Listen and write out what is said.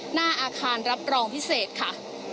หน้าอาคารรับรองพิเศษค่ะ